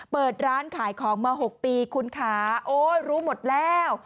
เปิดร้านขายของมา๖ปีคุณค้าโอ๊ยรู้หมดแล้ว